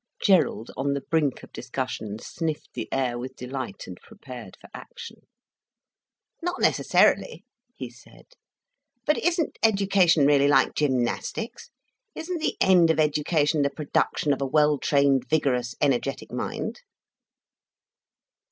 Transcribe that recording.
Gerald, on the brink of discussion, sniffed the air with delight and prepared for action. "Not necessarily," he said. "But isn't education really like gymnastics, isn't the end of education the production of a well trained, vigorous, energetic mind?"